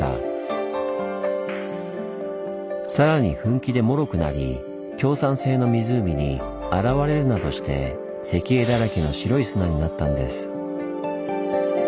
更に噴気でもろくなり強酸性の湖に洗われるなどして石英だらけの白い砂になったんです。